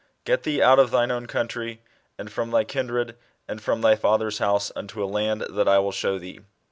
" Get thee out of thine own country, and from thy kindred, and from thy father's house,* unto a land that I will show thee."